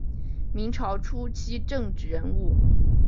明朝初期政治人物。